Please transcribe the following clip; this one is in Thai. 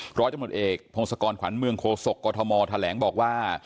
เพราะจะหมดเอกพงศกรรค์ขวัญเมืองโคโศกกอทโมแถแหลงบอกว่า